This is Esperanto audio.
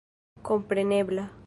komprenebla